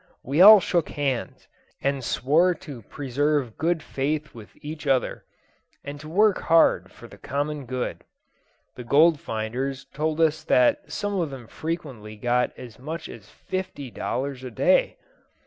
We all shook hands, and swore to preserve good faith with each other, and to work hard for the common good. The gold finders told us that some of them frequently got as much as fifty dollars a day.